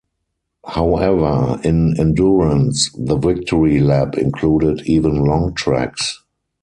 However, in endurance, the victory lap included even long tracks.